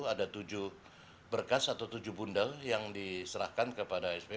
ada tujuh berkas atau tujuh bundel yang diserahkan kepada sp